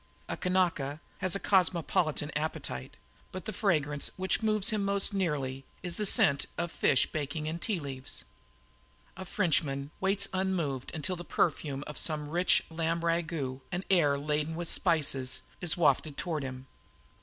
A Kanaka has a cosmopolitan appetite, but the fragrance which moves him most nearly is the scent of fish baking in Ti leaves. A Frenchman waits unmoved until the perfume of some rich lamb ragout, an air laden with spices, is wafted toward him.